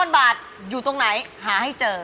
๐บาทอยู่ตรงไหนหาให้เจอ